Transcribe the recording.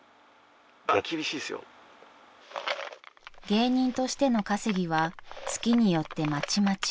［芸人としての稼ぎは月によってまちまち］